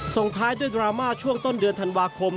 ส่งท้ายด้วยดราม่าช่วงต้นเดือนธันวาคม